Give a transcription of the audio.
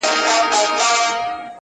o دا ستا شعرونه مي د زړه آواز دى،